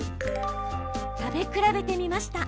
食べ比べてみました。